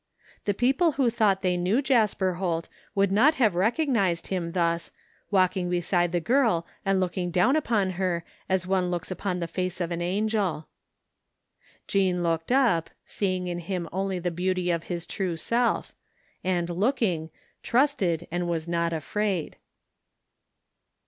The people who thought they knew Jasper Holt would not have recognized him thus, vralking beside the girf and looking down upon her as one looks upon the face of an angel. Jean looked up, seeing in him only the beauty of his true self ; and looking, trusted, and was not afraid.